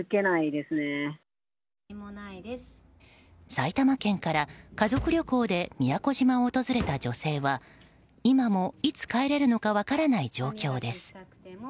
埼玉県から家族旅行で宮古島を訪れた女性は今もいつ帰れるのか分からない状況です。